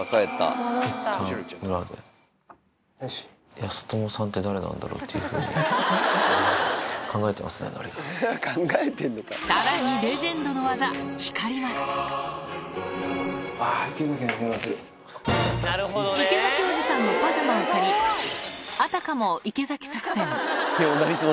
やすともさんって誰なんだろうっていうふうに考えてますね、さらにレジェンドの技、あー、池崎おじさんのパジャマを借り、あたかも池崎作戦。